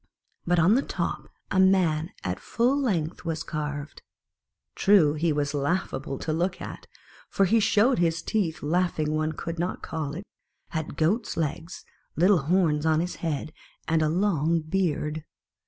But on the top a man at full length was carved. True he was laughable to look at ; for he showed his teeth laughing one could not call it had goat's legs, little horns on his head, and a long beard.